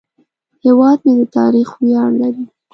هیواد مې د تاریخ ویاړ لري